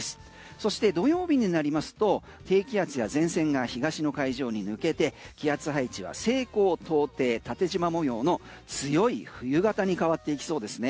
そして土曜日になりますと低気圧や前線が東の海上に抜けて気圧配置は西高東低縦じま模様の強い冬型に変わっていきそうですね。